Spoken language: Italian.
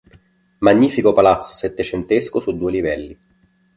Magnifico palazzo settecentesco su due livelli.